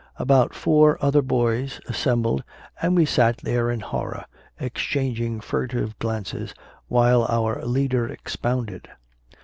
About four other boys assembled, and we sat there in horror, exchanging furtive glances while our leader expounded.